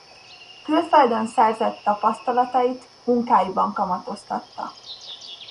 Külföldön szerzett tapasztalatait munkáiban kamatoztatta.